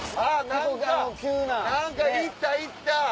何か行った行った！